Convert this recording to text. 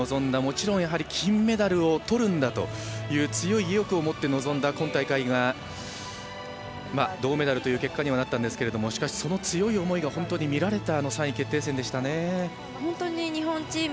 世界ランキング１位で臨み金メダルをとるんだと強い意欲を持って臨んだ今大会が銅メダルという結果にはなったんですがしかしその強い思いが本当に見られた３位決定戦でした。